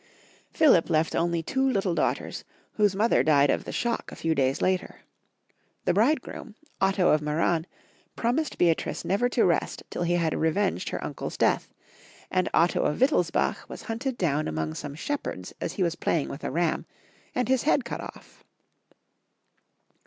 Philip left only two little daughters, whose mother died of the shock a few days after. The bridegroom, Otto of Meran, promised Beatrice never to rest till he had revenged her uncle's death, and Otto of Wittelsbach was hunted down among some shepherds as he was playing with a ram, and his head cut off.